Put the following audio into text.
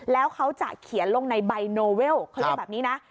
แล้วเขาจะเขียนลงในใบโนเวลเขาเรียกแบบนี้นะ